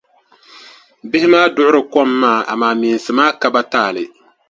Bihi maa duɣiri kom maa amaa meensi maa ka ba taali.